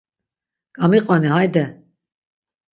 Gamiqoni hayde.